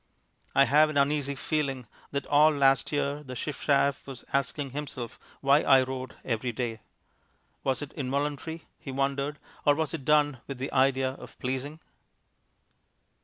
I have an uneasy feeling that all last year the chiff chaff was asking himself why I wrote every day. Was it involuntary, he wondered, or was it done with the idea of pleasing?